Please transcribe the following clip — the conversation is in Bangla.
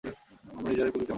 আমরা নিজেরাও এই প্রকৃতির অংশ।